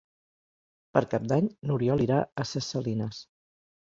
Per Cap d'Any n'Oriol irà a Ses Salines.